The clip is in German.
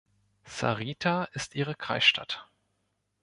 Sarita ist ihre Kreisstadt.